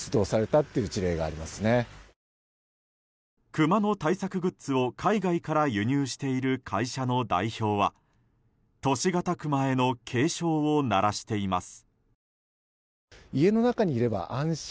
クマの対策グッズを海外から輸入している会社の代表は都市型クマへの警鐘を鳴らしています。